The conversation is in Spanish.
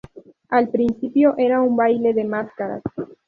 Al principio era un baile de máscaras.